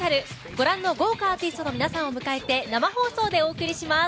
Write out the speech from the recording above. ご覧の豪華アーティストの皆さんを迎えて生放送でお送りします。